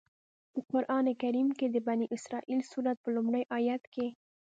په قرآن کریم کې د بنی اسرائیل سورت په لومړي آيت کې.